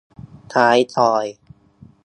ท้ายทอย